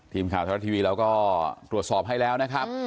ทีมข่าวไทยรัฐทีวีเราก็ตรวจสอบให้แล้วนะครับ